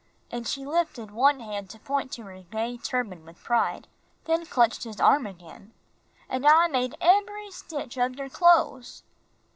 And she lifted one hand to point to her gay turban with pride, then clutched his arm again, "An' I made eb'ry stitch ob der cloes."